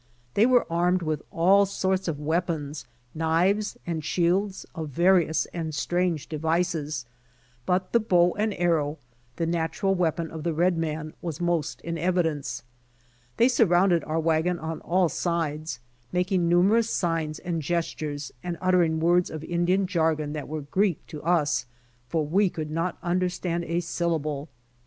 They were armed with all sorts of weapons, knives and shields of various and strange devices, but the bow and arrow, the natural weapon of the red man was most in evi dence. They surrounded our wagon on all sides, making numerous signs and gestures and uttering words of Indian jargon that were Greek to us, for we could not understand a syllable.